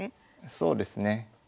そうですね。